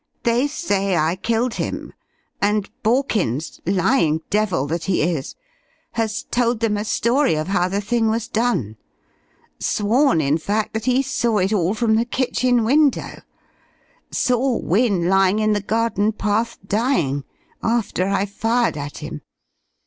They say I killed him, and Borkins lying devil that he is has told them a story of how the thing was done; sworn, in fact, that he saw it all from the kitchen window, saw Wynne lying in the garden path, dying, after I fired at him.